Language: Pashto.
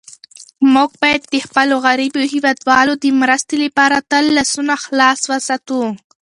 موږ باید د خپلو غریبو هېوادوالو د مرستې لپاره تل لاسونه خلاص وساتو.